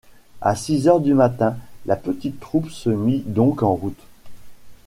à six heures du matin, la petite troupe se mit donc en route